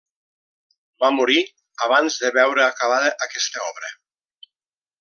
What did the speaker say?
Va morir abans de veure acabada aquesta obra.